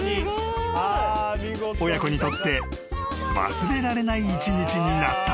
［親子にとって忘れられない一日になった］